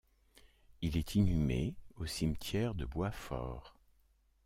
Il est inhumé au Cimetière de Boitsfort.